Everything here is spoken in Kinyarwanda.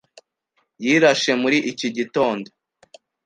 Yirashe muri iki gitondo.